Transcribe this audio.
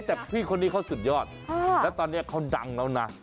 แต่พี่คนนี้เขาสุดยอดแล้วตอนนี้เขาดังแล้วนะ